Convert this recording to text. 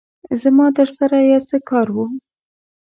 زما درسره يو څه کار وو